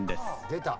出た。